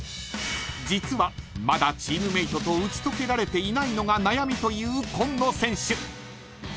［実はまだチームメートと打ち解けられていないのが悩みという今野選手］